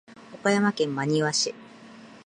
岡山県真庭市